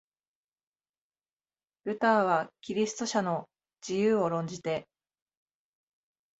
ルターはキリスト者の自由を論じて、